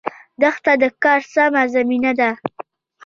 دښته د ښکار سمه زمینه ده.